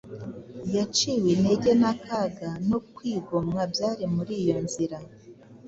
yaciwe intege n’akaga no kwigomwa byari muri iyo nzira.